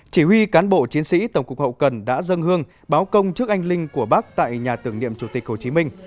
chỉ huy cán bộ chiến sĩ tổng cục hậu cần đã dâng hương báo công trước anh linh của bác tại nhà tưởng niệm chủ tịch hồ chí minh